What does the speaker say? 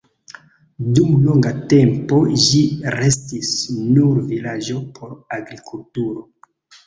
Dum longa tempo ĝi restis nur vilaĝo por agrikulturo.